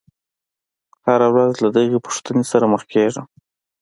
هره ورځ له دغې پوښتنې سره مخ کېږم.